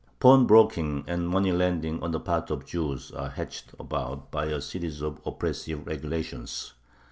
Pawnbroking and money lending on the part of Jews are hedged about by a series of oppressive regulations.